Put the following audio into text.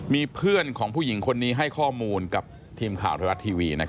มีเพื่อนของผู้หญิงคนนี้ให้ข้อมูลกับทีมข่าวไทยรัฐทีวี